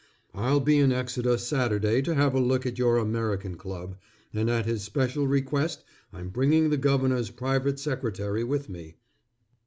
I'll be in Exeter Saturday to have a look at your American Club, and at his special request I'm bringing the Governor's private secretary with me.